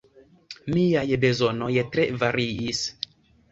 Miaj bezonoj tre variis.